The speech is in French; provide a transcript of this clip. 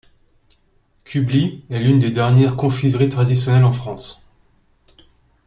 Kubli est l’une des dernières confiseries traditionnelles en France.